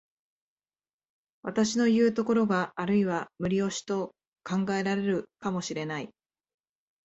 私のいう所があるいは無理押しと考えられるかも知れない。